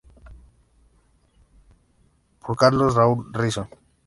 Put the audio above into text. Por Carlos Raúl Risso.